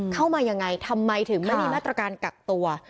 เข้ามายังไงทำไมถึงไม่มีมาตรการกักตัว